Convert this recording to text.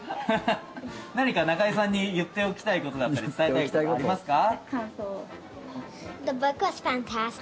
何か中居さんに言っておきたいことだったり伝えたいことありますか？